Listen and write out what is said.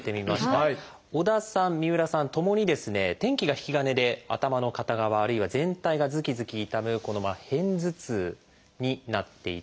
織田さん三浦さんともに天気が引き金で頭の片側あるいは全体がズキズキ痛むこの片頭痛になっていたんです。